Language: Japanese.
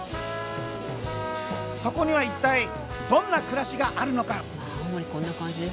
そこには一体どんな暮らしがあるのか？